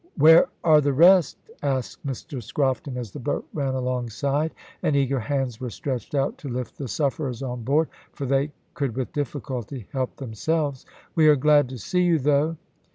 "Where are the rest?" asked Mr Scrofton, as the boat ran alongside, and eager hands were stretched out to lift the sufferers on board, for they could with difficulty help themselves. "We are glad to see you, though."